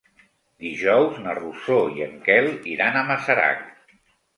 Dijous na Rosó i en Quel iran a Masarac.